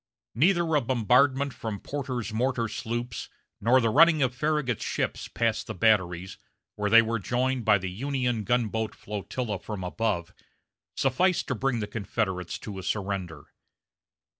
Neither a bombardment from Porter's mortar sloops, nor the running of Farragut's ships past the batteries, where they were joined by the Union gunboat flotilla from above, sufficed to bring the Confederates to a surrender.